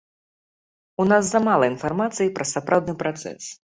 У нас замала інфармацыі пра сапраўдны працэс.